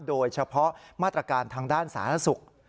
โดยเฉพาะมาตรการทางด้านสาธารณสุข